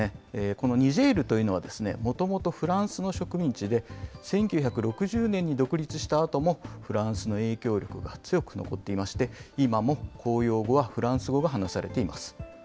このニジェールというのは、もともとフランスの植民地で、１９６０年に独立したあとも、フランスの影響力が強く残っていまして、今も公用語はフランス語が話されています。